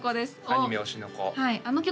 アニメ「推しの子」あの曲